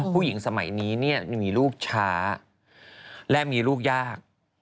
ผู้หญิงสมัยนี้มีลูกช้าและมีลูกยาก